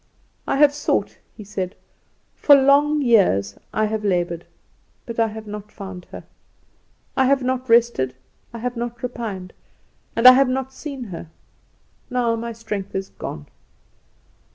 "'I have sought,' he said, 'for long years I have laboured; but I have not found her. I have not rested, I have not repined, and I have not seen her; now my strength is gone.